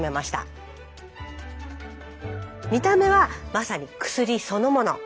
見た目はまさに薬そのもの。